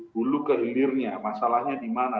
hulu ke hilirnya masalahnya di mana